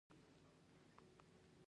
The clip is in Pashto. زردالو طبیعي تازه کوونکی دی.